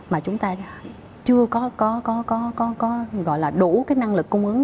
mà chúng ta chưa có đủ năng lực cung ứng